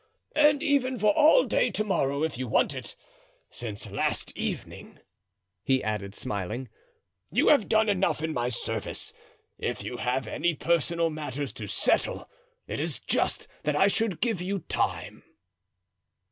"And even for all day to morrow, if you want it. Since last evening," he added, smiling, "you have done enough in my service, and if you have any personal matters to settle it is just that I should give you time."